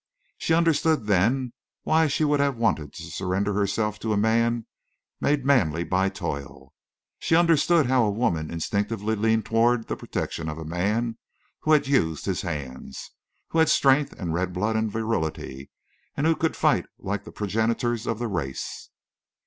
She understood then why she would have wanted to surrender herself to a man made manly by toil; she understood how a woman instinctively leaned toward the protection of a man who had used his hands—who had strength and red blood and virility who could fight like the progenitors of the race.